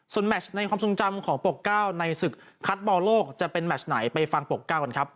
แมชในความทรงจำของปกเก้าในศึกคัดบอลโลกจะเป็นแมชไหนไปฟังปกเก้ากันครับ